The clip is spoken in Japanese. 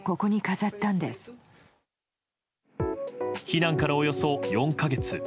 避難からおよそ４か月。